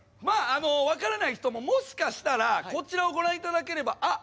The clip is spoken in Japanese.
分からない人ももしかしたらこちらをご覧頂ければあっ